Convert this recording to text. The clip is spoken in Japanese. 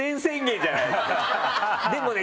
でもね